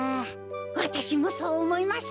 わたしもそうおもいます。